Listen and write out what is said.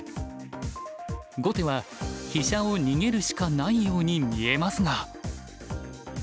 後手は飛車を逃げるしかないように見えますが。